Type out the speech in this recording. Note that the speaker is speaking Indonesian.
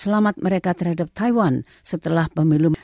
selamat mereka terhadap taiwan setelah pemilu